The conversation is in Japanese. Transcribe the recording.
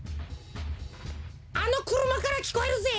あのくるまからきこえるぜ。